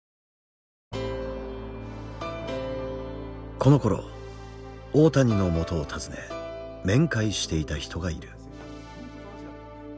このころ大谷のもとを訪ね面会していた人がいる。